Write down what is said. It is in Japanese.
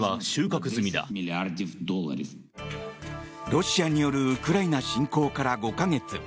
ロシアによるウクライナ侵攻から５か月。